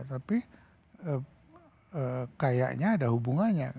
tapi kayaknya ada hubungannya